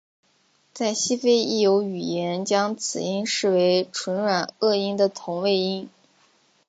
在西非亦有语言将此音视为唇软腭音的同位音。